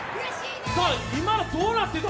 今のどうなってた？